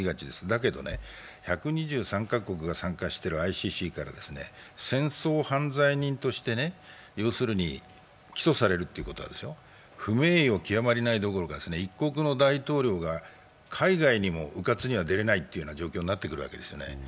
だけど、１２３か国が参加しているＩＣＣから戦争犯罪人として起訴されるということは不名誉極まりないどころか一国の大統領が海外にもうかつには出れないという状況になってくるわけですね。